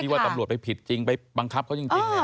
ว่าตำรวจไปผิดจริงไปบังคับเขาจริง